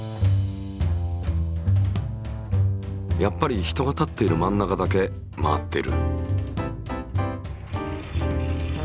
やっぱり人が立っている真ん中だけ回っている。